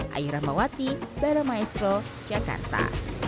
hai ramawati para maestro jakarta